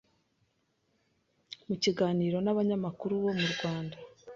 Mu kiganiro n’abanyamakuru bo murwanda